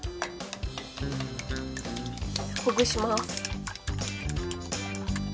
ほぐします。